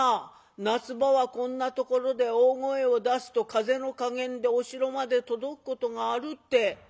夏場はこんなところで大声を出すと風の加減でお城まで届くことがあるって」。